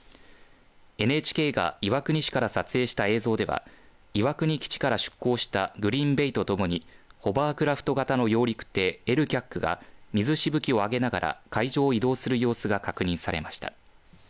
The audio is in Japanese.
ＮＨＫが岩国市から撮影した映像では岩国基地から出港したグリーン・ベイとともにホバークラフト型の揚陸艇ＬＣＡＣが水しぶきを上げながら海上を移動する様子が確認されました。